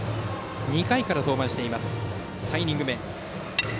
２回から登板して３イニング目です。